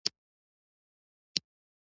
په دې فضا کې کیمیاوي توکي ترشح کېږي.